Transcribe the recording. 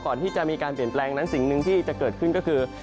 ก่อนที่จะมีการเปลี่ยนแปลงนั้นสิ่งหนึ่งที่จะเกิดขึ้นก็คือ